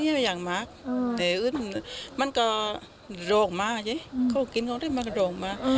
แต่ตรงนี้อย่างมากมันก็โรงมากเขากินของมันก็โรงมาก